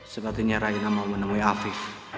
sepertinya raina mau menemui afif